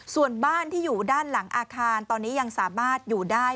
ส่วนบ้านที่อยู่ด้านหลังอาคารตอนนี้ยังสามารถอยู่ได้